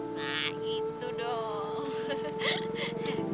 nah itu dong